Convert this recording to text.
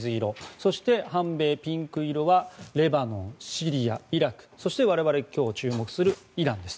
そして、反米ピンク色はシリア、レバノンイラク、そして我々が今日注目するイランです。